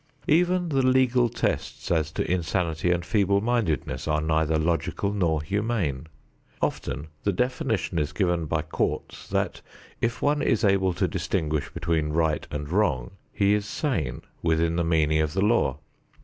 Even the legal tests as to insanity and feeble mindedness are neither logical nor humane. Often the definition is given by courts that if one is able to distinguish between right and wrong, he is sane within the meaning of the law.